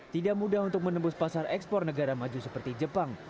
tidak mudah untuk menembus pasar ekspor negara maju seperti jepang